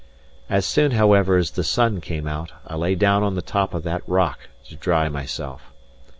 As soon, however, as the sun came out, I lay down on the top of that rock to dry myself.